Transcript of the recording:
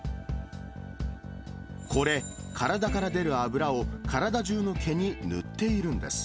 これ、体から出る油を体中の毛に塗っているんです。